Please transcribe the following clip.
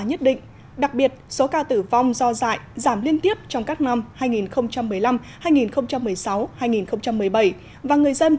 nhất định đặc biệt số ca tử vong do dạy giảm liên tiếp trong các năm hai nghìn một mươi năm hai nghìn một mươi sáu hai nghìn một mươi bảy và người dân